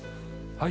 はい。